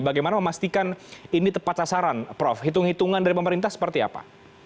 bagaimana memastikan ini tepat sasaran prof hitung hitungan dari pemerintah seperti apa